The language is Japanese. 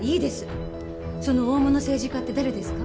その大物政治家って誰ですか？